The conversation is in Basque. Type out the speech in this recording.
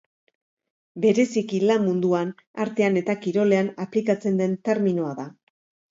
Bereziki lan munduan, artean eta kirolean aplikatzen den terminoa da.